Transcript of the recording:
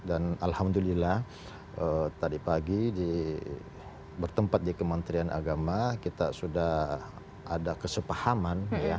dan alhamdulillah tadi pagi bertempat di kementerian agama kita sudah ada kesepahaman